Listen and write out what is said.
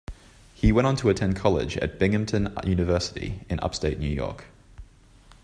He went on to attend college at Binghamton University in Upstate New York.